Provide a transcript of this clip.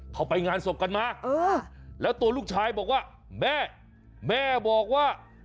เขาไปงานศพกันมาแล้วตัวลูกชายบอกว่าแม่แม่บอกว่า